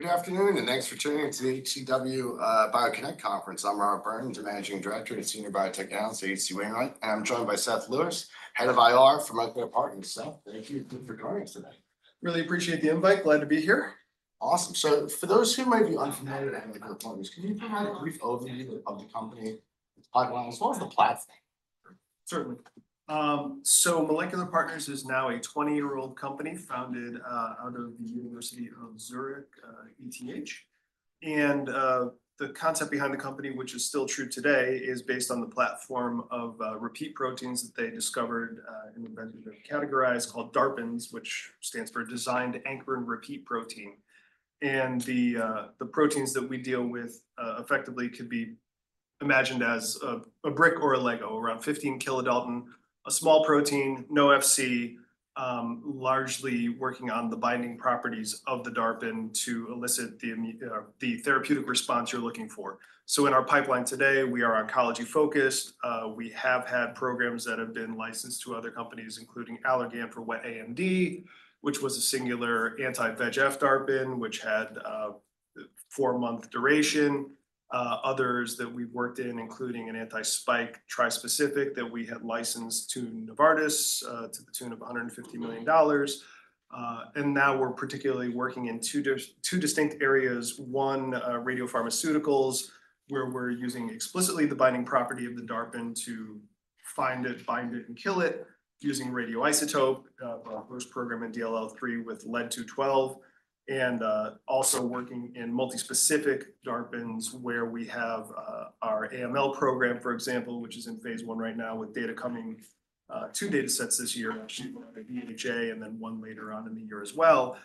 Good afternoon, and thanks for tuning in to the HCW BioConnect Conference. I'm Robert Burns, the Managing Director and Senior Biotech Analyst at HCW. I'm joined by Seth Lewis, Head of IR for Molecular Partners. Seth, thank you for joining us today. Really appreciate the invite. Glad to be here. Awesome. For those who might be unfamiliar with Molecular Partners, can you provide a brief overview of the company, the pipeline, as well as the platform? Certainly. Molecular Partners is now a 20-year-old company founded out of the University of Zurich, ETH. The concept behind the company, which is still true today, is based on the platform of repeat proteins that they discovered and have been categorized called DARPins, which stands for Designed Ankyrin Repeat Protein. The proteins that we deal with effectively could be imagined as a brick or a LEGO, around 15 kDa, a small protein, no FC, largely working on the binding properties of the DARPin to elicit the therapeutic response you're looking for. In our pipeline today, we are oncology-focused. We have had programs that have been licensed to other companies, including Allergan for wet AMD, which was a singular anti-VEGF DARPin, which had a four-month duration. Others that we've worked in, including an anti-spike trispecific that we had licensed to Novartis to the tune of $150 million. We are particularly working in two distinct areas. One, radiopharmaceuticals, where we are using explicitly the binding property of the DARPin to find it, bind it, and kill it using radioisotope, both program and DLL3 with lead-212. We are also working in multispecific DARPins where we have our AML program, for example, which is in phase I right now with data coming, two data sets this year, actually by the EHA, and then one later on in the year as well,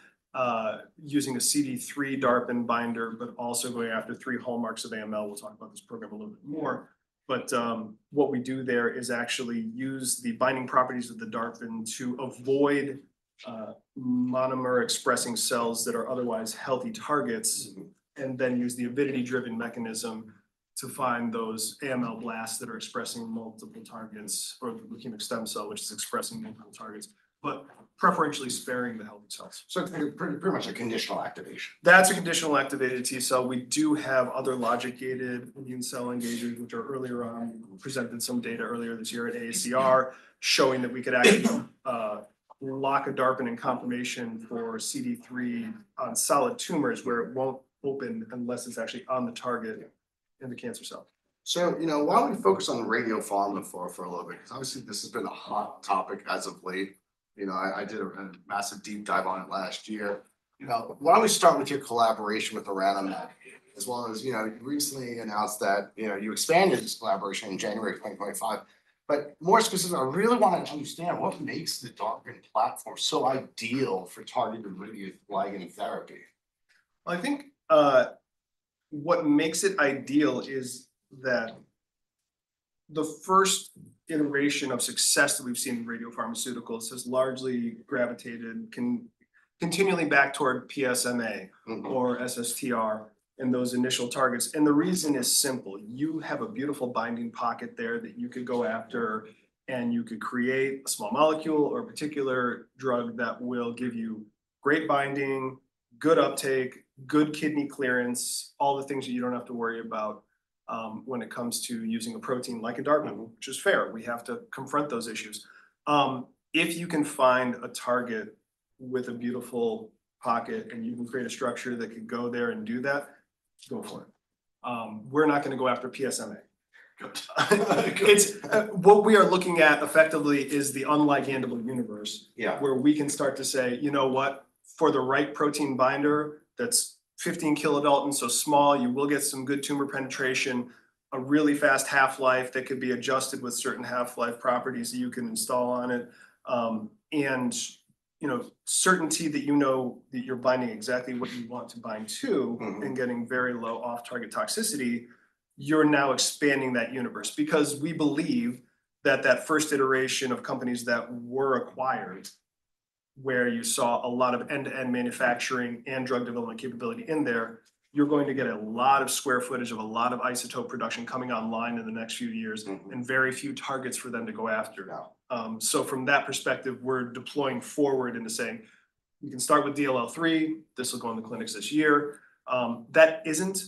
using a CD3 DARPin binder, but also going after three hallmarks of AML. We will talk about this program a little bit more. What we do there is actually use the binding properties of the DARPin to avoid monomer-expressing cells that are otherwise healthy targets, and then use the avidity-driven mechanism to find those AML blasts that are expressing multiple targets or the leukemic stem cell, which is expressing multiple targets, but preferentially sparing the healthy cells. It's pretty much a conditional activation. That's a conditional activated T cell. We do have other logic-gated immune cell engagements, which are earlier on. We presented some data earlier this year at AACR showing that we could actually lock a DARPin in conformation for CD3 on solid tumors where it won't open unless it's actually on the target in the cancer cell. You know while we focus on radiopharma for a little bit, because obviously this has been a hot topic as of late, you know I did a massive deep dive on it last year. You know why don't we start with your collaboration with Orano Med, as well as you recently announced that you expanded this collaboration in January 2025. More specifically, I really want to understand what makes the DARPin platform so ideal for targeted radio flagging therapy. I think what makes it ideal is that the first iteration of success that we've seen in radiopharmaceuticals has largely gravitated continually back toward PSMA or SSTR in those initial targets. The reason is simple. You have a beautiful binding pocket there that you could go after, and you could create a small molecule or a particular drug that will give you great binding, good uptake, good kidney clearance, all the things that you don't have to worry about when it comes to using a protein like a DARPin, which is fair. We have to confront those issues. If you can find a target with a beautiful pocket and you can create a structure that could go there and do that, go for it. We're not going to go after PSMA. What we are looking at effectively is the unlike-handleable universe where we can start to say, you know what, for the right protein binder that's 15 kDa, so small, you will get some good tumor penetration, a really fast half-life that could be adjusted with certain half-life properties that you can install on it. You know certainty that you know that you're binding exactly what you want to bind to and getting very low off-target toxicity, you're now expanding that universe. Because we believe that that first iteration of companies that were acquired where you saw a lot of end-to-end manufacturing and drug development capability in there, you're going to get a lot of square footage of a lot of isotope production coming online in the next few years and very few targets for them to go after. From that perspective, we're deploying forward into saying, you can start with DLL3. This will go into clinics this year. That isn't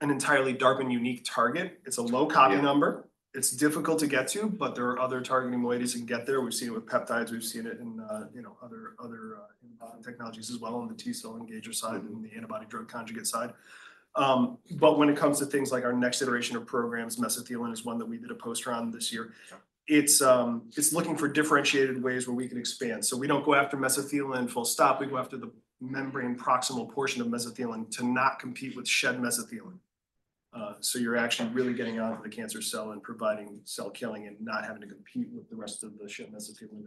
an entirely DARPin unique target. It's a low copy number. It's difficult to get to, but there are other targeting ways you can get there. We've seen it with peptides. We've seen it in other technologies as well on the T cell engager side and the antibody drug conjugate side. When it comes to things like our next iteration of programs, mesothelin is one that we did a poster on this year. It's looking for differentiated ways where we can expand. We don't go after mesothelin full stop. We go after the membrane proximal portion of mesothelin to not compete with shed mesothelin. You're actually really getting onto the cancer cell and providing cell killing and not having to compete with the rest of the shed mesothelin.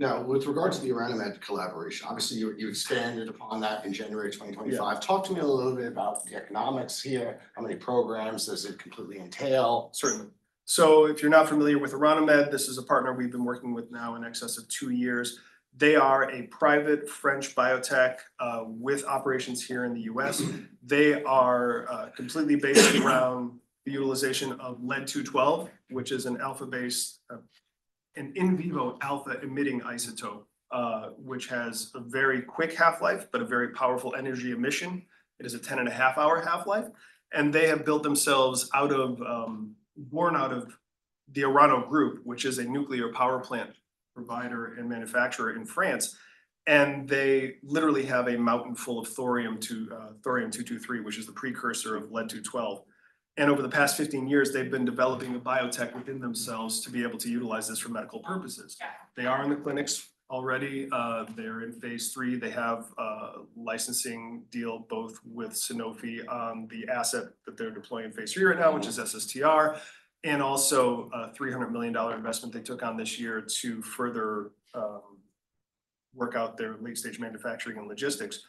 Now, with regard to the Orano Med collaboration, obviously you expanded upon that in January 2025. Talk to me a little bit about the economics here. How many programs does it completely entail? Certainly. If you're not familiar with Orano Med, this is a partner we've been working with now in excess of two years. They are a private French biotech with operations here in the U.S. They are completely based around the utilization of lead-212, which is an alpha-emitting isotope, which has a very quick half-life, but a very powerful energy emission. It is a 10.5 hour half-life. They have built themselves out of, born out of the Arano Group, which is a nuclear power provider and manufacturer in France. They literally have a mountain full of thorium-232, which is the precursor of lead-212. Over the past 15 years, they've been developing a biotech within themselves to be able to utilize this for medical purposes. They are in the clinics already. They are in phase III. They have a licensing deal both with Sanofi on the asset that they're deploying phase III right now, which is SSTR, and also a $300 million investment they took on this year to further work out their late-stage manufacturing and logistics.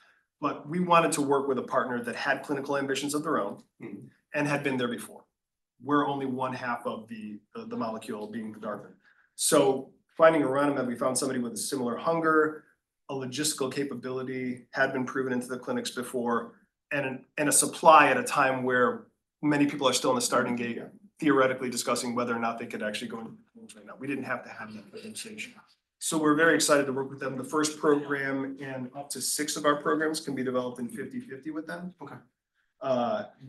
We wanted to work with a partner that had clinical ambitions of their own and had been there before. We're only one half of the molecule being the DARPin. Finding Orano Med, we found somebody with a similar hunger, a logistical capability that had been proven into the clinics before, and a supply at a time where many people are still in the starting gate theoretically discussing whether or not they could actually go into clinics right now. We didn't have to have that differentiation. We're very excited to work with them. The first program and up to six of our programs can be developed in 50-50 with them.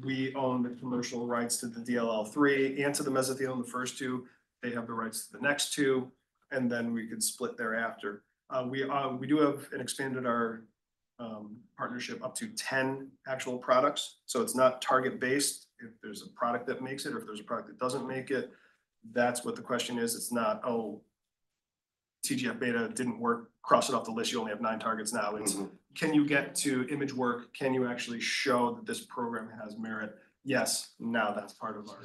We own the commercial rights to the DLL3 and to the mesothelin, the first two. They have the rights to the next two. We could split thereafter. We do have and expanded our partnership up to 10 actual products. It is not target-based if there is a product that makes it or if there is a product that does not make it. That is what the question is. It is not, oh, TGF beta did not work. Cross it off the list. You only have nine targets now. It is, can you get to image work? Can you actually show that this program has merit? Yes. Now that is part of our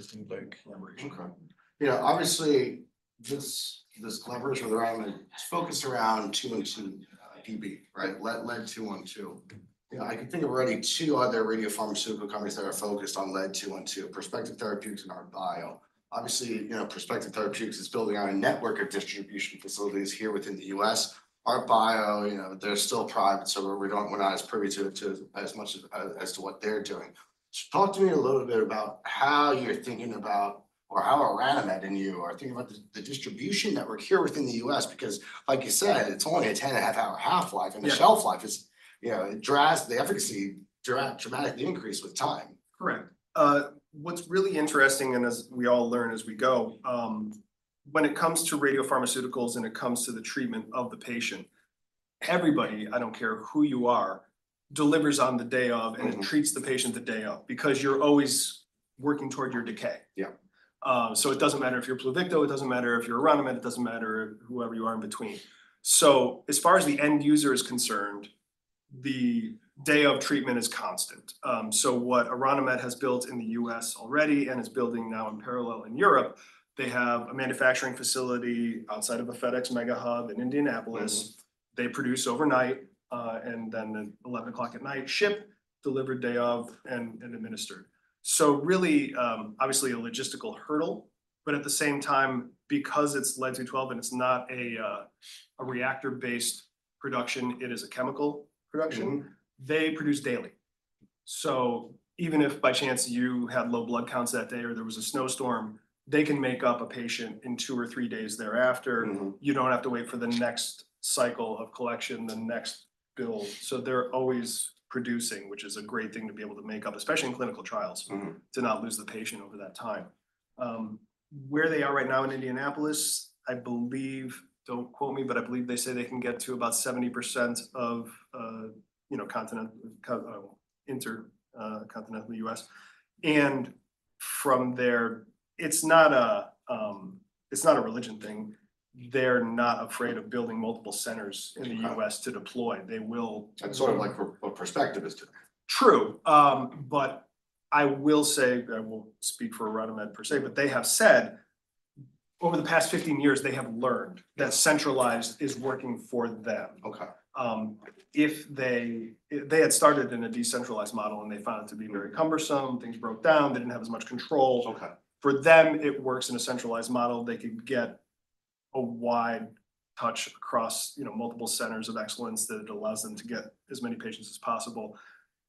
collaboration. You know, obviously, this collaboration with Orano Med is focused around 212 Pb, right? Lead-212. I can think of already two other radiopharmaceutical companies that are focused on lead-212, Perspective Therapeutics and Arbio. Obviously, you know, Perspective Therapeutics is building out a network of distribution facilities here within the U.S. Arbio, you know, they're still private, so we're not as privy to it as much as to what they're doing. Talk to me a little bit about how you're thinking about, or how Orano Med and you are thinking about the distribution network here within the U.S., because like you said, it's only a 10 and a half hour half-life and the shelf life is, you know, it drags the efficacy dramatically increased with time. Correct. What's really interesting, and as we all learn as we go, when it comes to radiopharmaceuticals and it comes to the treatment of the patient, everybody, I don't care who you are, delivers on the day of and treats the patient the day of because you're always working toward your decay. Yeah. It doesn't matter if you're Pluvicto, it doesn't matter if you're Orano Med, it doesn't matter whoever you are in between. As far as the end user is concerned, the day of treatment is constant. What Orano Med has built in the U.S. already and is building now in parallel in Europe, they have a manufacturing facility outside of a FedEx mega hub in Indianapolis. They produce overnight and then at 11:00 P.M., ship, deliver day of, and administered. Really, obviously a logistical hurdle, but at the same time, because it's lead-212 and it's not a reactor-based production, it is a chemical production, they produce daily. Even if by chance you had low blood counts that day or there was a snowstorm, they can make up a patient in two or three days thereafter. You don't have to wait for the next cycle of collection, the next bill. They're always producing, which is a great thing to be able to make up, especially in clinical trials, to not lose the patient over that time. Where they are right now in Indianapolis, I believe, don't quote me, but I believe they say they can get to about 70% of, you know, continental U.S. From there, it's not a religion thing. They're not afraid of building multiple centers in the U.S. to deploy. They will. That's sort of like for a prospective is to them. True. I will say, I won't speak for Orano Med per se, but they have said over the past 15 years, they have learned that centralized is working for them. If they had started in a decentralized model and they found it to be very cumbersome, things broke down, they didn't have as much control. For them, it works in a centralized model. They could get a wide touch across multiple centers of excellence that allows them to get as many patients as possible.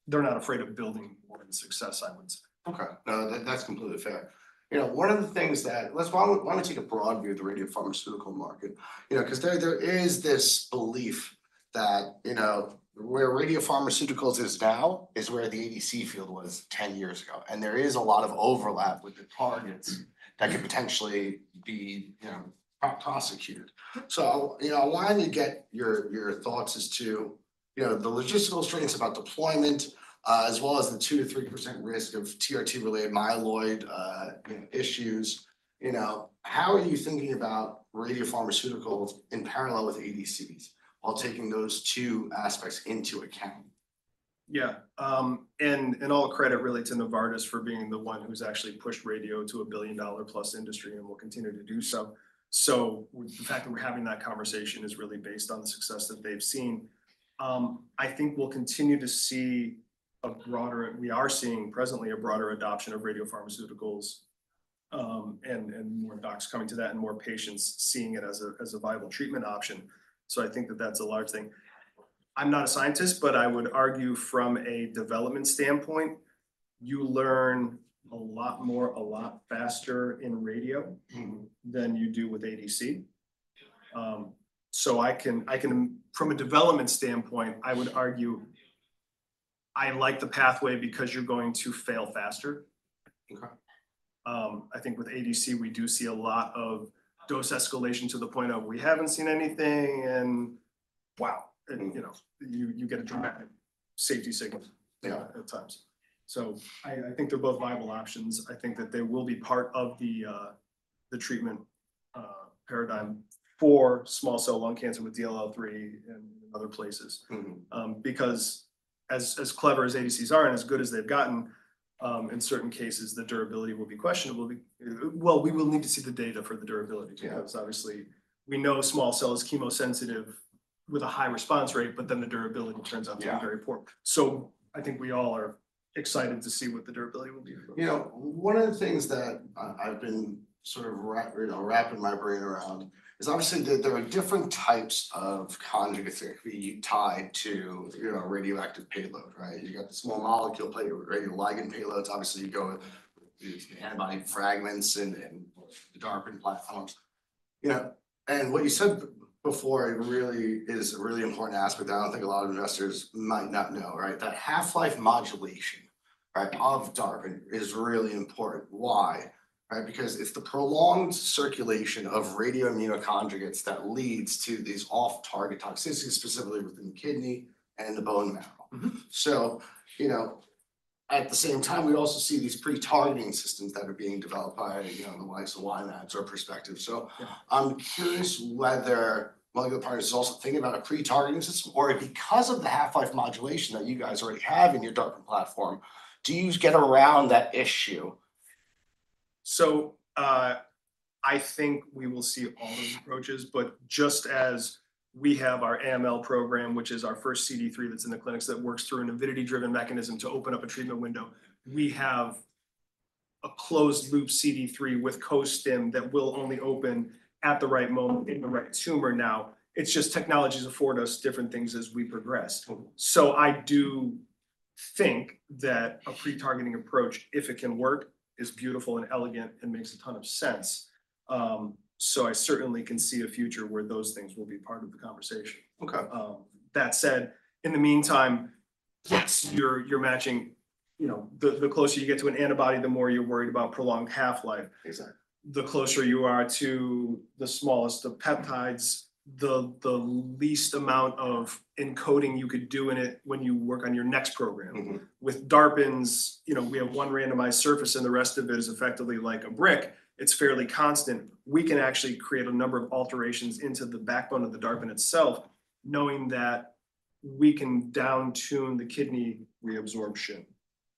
They're not afraid of building more than success islands. Okay. That's completely fair. You know, one of the things that, let's, why don't we take a broad view of the radiopharmaceutical market, you know, because there is this belief that, you know, where radiopharmaceuticals is now is where the ADC field was 10 years ago. And there is a lot of overlap with the targets that could potentially be prosecuted. I wanted to get your thoughts as to, you know, the logistical strengths about deployment, as well as the 2%-3% risk of TRT-related myeloid issues. You know, how are you thinking about radiopharmaceuticals in parallel with ADCs while taking those two aspects into account? Yeah. All credit really to Novartis for being the one who's actually pushed radio to $1 billion+ industry and will continue to do so. The fact that we're having that conversation is really based on the success that they've seen. I think we'll continue to see a broader, we are seeing presently a broader adoption of radiopharmaceuticals and more docs coming to that and more patients seeing it as a viable treatment option. I think that that's a large thing. I'm not a scientist, but I would argue from a development standpoint, you learn a lot more, a lot faster in radio than you do with ADC. I can, from a development standpoint, I would argue I like the pathway because you're going to fail faster. I think with ADC, we do see a lot of dose escalation to the point of we haven't seen anything and wow, you know, you get a dramatic safety signal at times. I think they're both viable options. I think that they will be part of the treatment paradigm for small cell lung cancer with DLL3 and other places. Because as clever as ADCs are and as good as they've gotten, in certain cases, the durability will be questionable. We will need to see the data for the durability because obviously we know small cell is chemosensitive with a high response rate, but then the durability turns out to be very important. I think we all are excited to see what the durability will be. You know, one of the things that I've been sort of wrapping my brain around is obviously that there are different types of conjugate therapy tied to radioactive payload, right? You got the small molecule platelet ligand payloads. Obviously, you go with antibody fragments and DARPin platforms. You know, and what you said before really is a really important aspect that I don't think a lot of investors might not know, right? That half-life modulation of DARPin is really important. Why? Right? Because it's the prolonged circulation of radioimmunoconjugates that leads to these off-target toxicities specifically within the kidney and the bone marrow. You know, at the same time, we also see these pre-targeting systems that are being developed by, you know, the likes of Wynand or Perspective. I'm curious whether Molecular Partners is also thinking about a pre-targeting system or because of the half-life modulation that you guys already have in your DARPin platform, do you get around that issue? I think we will see all those approaches, but just as we have our AML program, which is our first CD3 that's in the clinics that works through an avidity-driven mechanism to open up a treatment window, we have a closed-loop CD3 with co-stim that will only open at the right moment in the right tumor. Now, it's just technologies afford us different things as we progress. I do think that a pre-targeting approach, if it can work, is beautiful and elegant and makes a ton of sense. I certainly can see a future where those things will be part of the conversation. That said, in the meantime, yes, you're matching, you know, the closer you get to an antibody, the more you're worried about prolonged half-life. The closer you are to the smallest of peptides, the least amount of encoding you could do in it when you work on your next program. With DARPins, you know, we have one randomized surface and the rest of it is effectively like a brick. It's fairly constant. We can actually create a number of alterations into the backbone of the DARPin itself, knowing that we can downtune the kidney reabsorption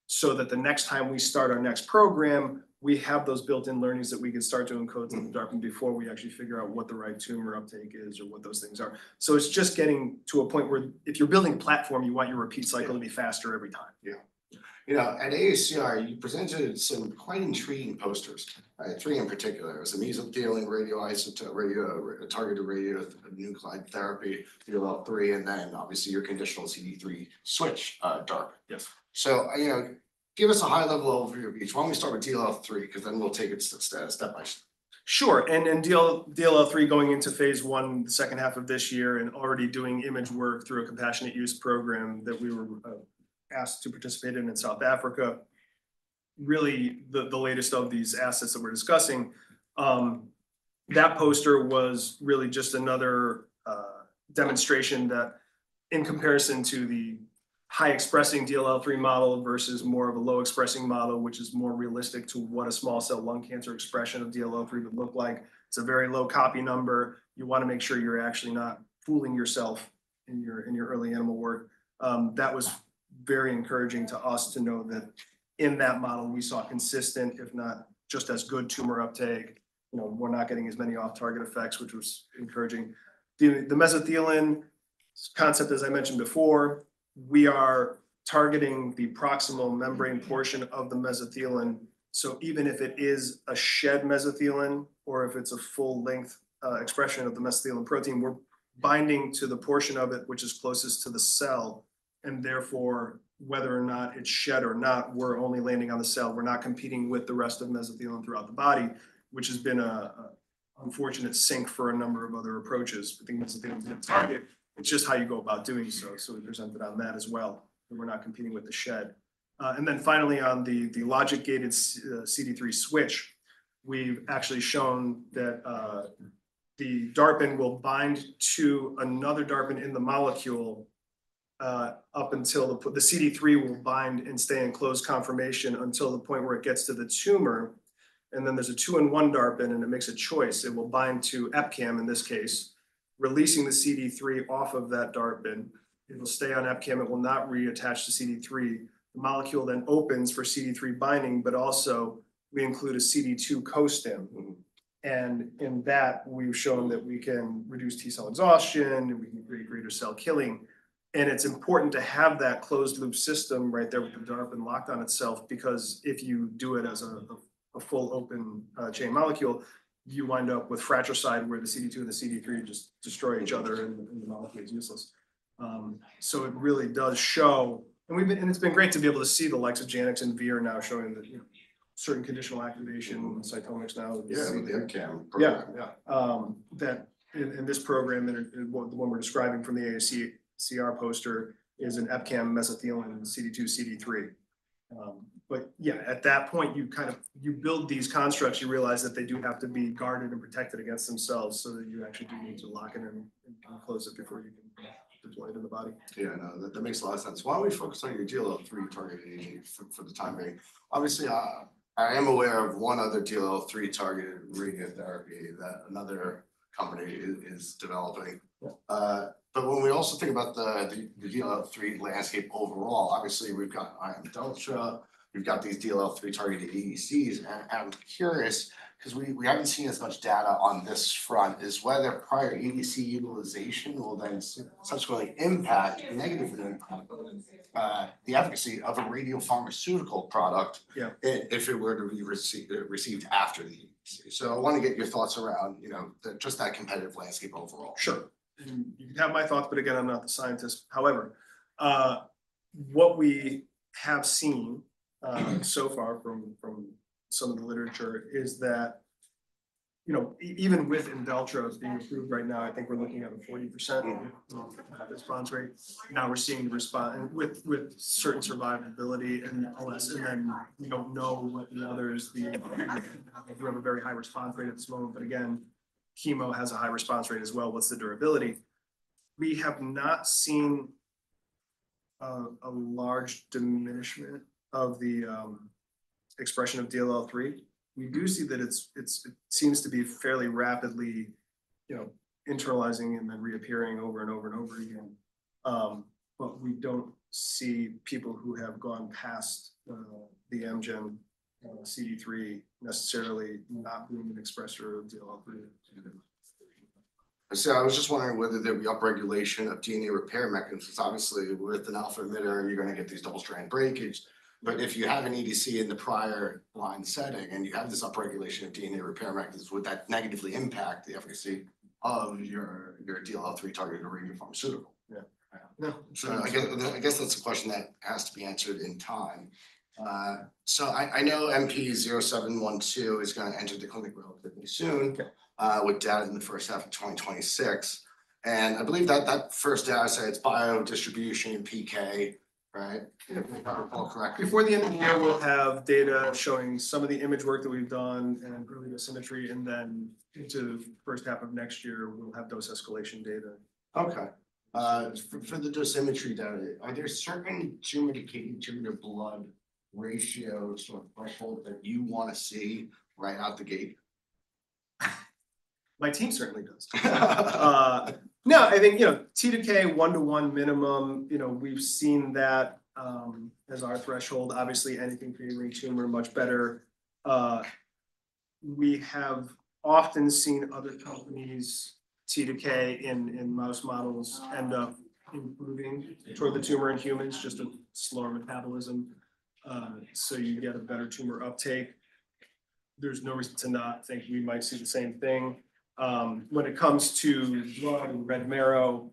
so that the next time we start our next program, we have those built-in learnings that we can start to encode in the DARPin before we actually figure out what the right tumor uptake is or what those things are. It's just getting to a point where if you're building a platform, you want your repeat cycle to be faster every time. Yeah. You know, at AACR, you presented some quite intriguing posters. Three in particular. It was a mesoteric radioisotope, targeted radionuclide therapy, DLL3, and then obviously your conditional CD3 Switch-DARPin. So, you know, give us a high-level overview of each. Why don't we start with DLL3 because then we'll take it step by step. Sure. DLL3 going into phase I the second half of this year and already doing image work through a compassionate use program that we were asked to participate in in South Africa. Really, the latest of these assets that we're discussing, that poster was really just another demonstration that in comparison to the high-expressing DLL3 model versus more of a low-expressing model, which is more realistic to what a small cell lung cancer expression of DLL3 would look like. It's a very low copy number. You want to make sure you're actually not fooling yourself in your early animal work. That was very encouraging to us to know that in that model, we saw consistent, if not just as good tumor uptake. You know, we're not getting as many off-target effects, which was encouraging. The mesothelin concept, as I mentioned before, we are targeting the proximal membrane portion of the mesothelin. Even if it is a shed mesothelin or if it's a full-length expression of the mesothelin protein, we're binding to the portion of it which is closest to the cell. Therefore, whether or not it's shed, we're only landing on the cell. We're not competing with the rest of mesothelin throughout the body, which has been an unfortunate sink for a number of other approaches. I think mesothelin is a good target. It's just how you go about doing so. We presented on that as well. We're not competing with the shed. Finally, on the logic-gated CD3 switch, we've actually shown that the DARPin will bind to another DARPin in the molecule up until the CD3 will bind and stay in closed conformation until the point where it gets to the tumor. There's a two-in-one DARPin and it makes a choice. It will bind to EPCAM in this case, releasing the CD3 off of that DARPin. It will stay on EPCAM. It will not reattach to CD3. The molecule then opens for CD3 binding, but also we include a CD2 co-stim. In that, we've shown that we can reduce T-cell exhaustion and we can create greater cell killing. It's important to have that closed-loop system right there with the DARPin locked on itself because if you do it as a full open chain molecule, you wind up with fratricide where the CD2 and the CD3 just destroy each other and the molecule is useless. It really does show, and it's been great to be able to see the likes of Janick and Veer now showing that certain conditional activation and cytomics now. Yeah, with the EPCAM. Yeah. That in this program, the one we're describing from the AACR poster is an EPCAM mesothelin CD2 CD3. Yeah, at that point, you kind of build these constructs. You realize that they do have to be guarded and protected against themselves so that you actually do need to lock it in and close it before you can deploy it in the body. Yeah, I know. That makes a lot of sense. Why don't we focus on your DLL3 targeting for the time being? Obviously, I am aware of one other DLL3 targeted radiotherapy that another company is developing. When we also think about the DLL3 landscape overall, obviously we've got Imdelltra, we've got these DLL3 targeted ADCs. I'm curious because we haven't seen as much data on this front, is whether prior ADC utilization will then subsequently impact negatively the efficacy of a radiopharmaceutical product if it were to be received after the ADC. I want to get your thoughts around, you know, just that competitive landscape overall. Sure. You can have my thoughts, but again, I'm not the scientist. However, what we have seen so far from some of the literature is that, you know, even within Imdelltra being approved right now, I think we're looking at a 40% response rate. Now we're seeing the response with certain survivability and all this. We don't know what the other is. We have a very high response rate at this moment, but again, chemo has a high response rate as well. What's the durability? We have not seen a large diminishment of the expression of DLL3. We do see that it seems to be fairly rapidly, you know, internalizing and then reappearing over and over and over again. We don't see people who have gone past the Amgen CD3 necessarily not being an expressor of DLL3. I was just wondering whether there'd be upregulation of DNA repair mechanisms. Obviously, with an alpha emitter, you're going to get these double-stranded breakage. If you have an ADC in the prior line setting and you have this upregulation of DNA repair mechanisms, would that negatively impact the efficacy of your DLL3 targeted radiopharmaceutical? Yeah. I guess that's a question that has to be answered in time. I know MP0712 is going to enter the clinic relatively soon with data in the first half of 2026. I believe that that first data set, it's biodistribution and PK, right? If I recall correctly. Before the end of the year, we'll have data showing some of the image work that we've done and early dosimetry. Into the first half of next year, we'll have dose escalation data. Okay. For the dosimetry data, are there certain tumor-to-kidney, tumor-to-blood ratios or thresholds that you want to see right out the gate? My team certainly does. No, I think, you know, T to K, one-to-one minimum, you know, we've seen that as our threshold. Obviously, anything creating tumor, much better. We have often seen other companies' T to K in mouse models end up improving toward the tumor in humans, just a slower metabolism. You get a better tumor uptake. There's no reason to not think we might see the same thing. When it comes to blood and red marrow,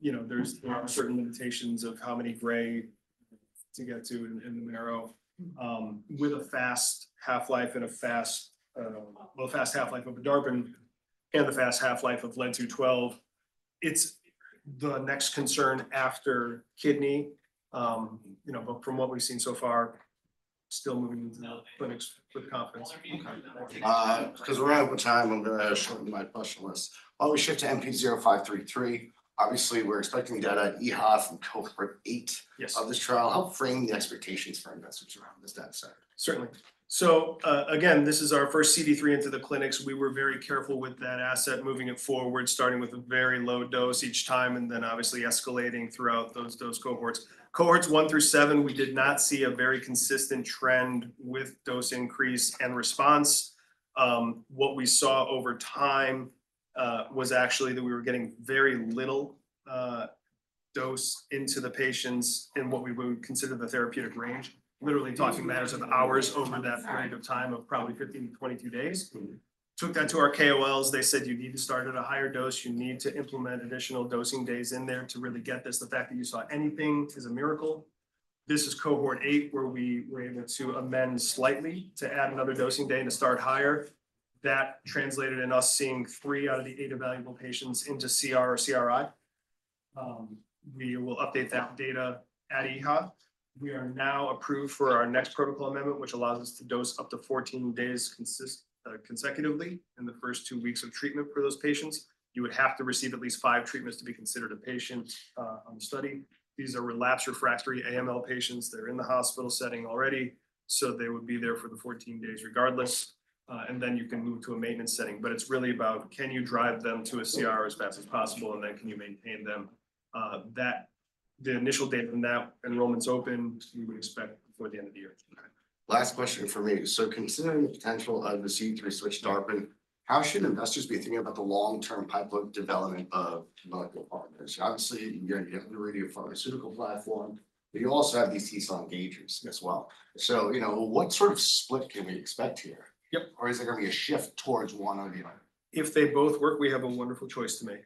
you know, there are certain limitations of how many gray to get to in the marrow. With a fast half-life and a fast, well, fast half-life of a DARPin and the fast half-life of lead-212, it's the next concern after kidney, you know, but from what we've seen so far, still moving into the clinics with confidence. Because we're at the time of shortening my question list. While we shift to MP0533, obviously we're expecting data at EHA from cohort eight of this trial. Help frame the expectations for investors around this data set. Certainly. Again, this is our first CD3 into the clinics. We were very careful with that asset, moving it forward, starting with a very low dose each time and then obviously escalating throughout those dose cohorts. Cohorts one through seven, we did not see a very consistent trend with dose increase and response. What we saw over time was actually that we were getting very little dose into the patients in what we would consider the therapeutic range. Literally talking matters of hours over that period of time of probably 15-22 days. Took that to our KOLs. They said, "You need to start at a higher dose. You need to implement additional dosing days in there to really get this. The fact that you saw anything is a miracle. This is cohort eight where we were able to amend slightly to add another dosing day and to start higher. That translated in us seeing three out of the eight evaluable patients into CR or CRI. We will update that data at EHA. We are now approved for our next protocol amendment, which allows us to dose up to 14 days consecutively in the first two weeks of treatment for those patients. You would have to receive at least five treatments to be considered a patient on the study. These are relapse refractory AML patients. They're in the hospital setting already. They would be there for the 14 days regardless. You can move to a maintenance setting. It is really about, can you drive them to a CR as fast as possible? Can you maintain them? The initial date of enrollment's open. We would expect before the end of the year. Last question for me. So considering the potential of the CD3 Switch-DARPin, how should investors be thinking about the long-term pipeline development of Molecular Partners? Obviously, you have the radiopharmaceutical platform, but you also have these T cell engagers as well. So, you know, what sort of split can we expect here? Or is there going to be a shift towards one or the other? If they both work, we have a wonderful choice to make.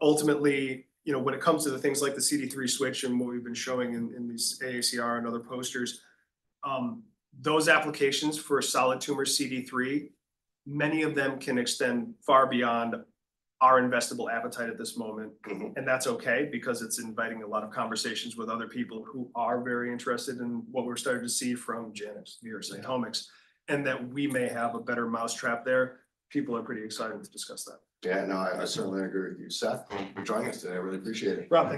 Ultimately, you know, when it comes to things like the CD3 switch and what we've been showing in these AACR and other posters, those applications for solid tumor CD3, many of them can extend far beyond our investable appetite at this moment. That's okay because it's inviting a lot of conversations with other people who are very interested in what we're starting to see from Janick and Veer's cytomics. We may have a better mousetrap there. People are pretty excited to discuss that. Yeah, no, I certainly agree with you, Seth, for joining us today. I really appreciate it. Rob.